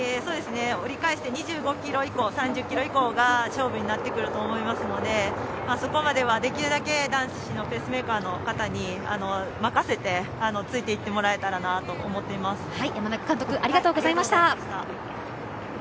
折り返して２５キロ以降３０キロ以降が勝負になってくると思いますのでそこまではできるだけ男子のペースメーカーの方に任せて、ついていってもらえたらなと思います。